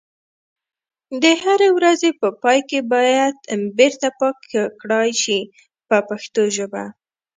د هرې ورځې په پای کې باید بیرته پاکي کړای شي په پښتو ژبه.